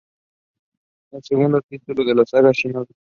Es el segundo título de la saga Shinobi.